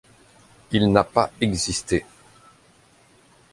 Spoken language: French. Il n'a pas existé.